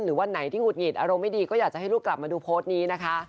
วันไหนที่หุดหงิดอารมณ์ไม่ดีก็อยากจะให้ลูกกลับมาดูโพสต์นี้นะคะ